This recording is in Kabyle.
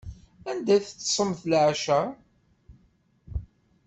Anda teṭṭsemt leɛca?